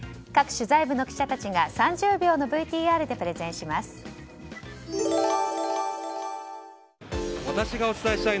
各取材部の記者たちが３０秒のＶＴＲでプレゼンします。